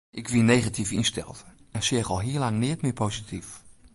Ik wie negatyf ynsteld en seach al hiel lang neat mear posityf.